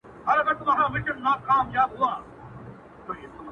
څومره بلند دی،